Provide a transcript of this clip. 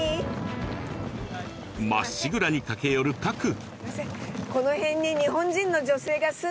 まっしぐらに駆け寄る賀来